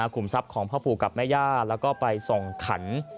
ขุมทรัพย์ของพ่อปู่กับแม่ย่า